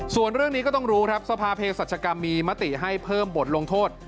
ส่วนเรื่องนี้ก็ต้องรู้ครับสภาเพศรัชกรรมมีมติให้เพิ่มบทลงโทษ